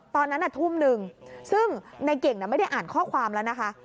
ตอนนั้นทุ่มหนึ่งซึ่งในเก่งไม่ได้อ่านข้อความแล้วนะคะ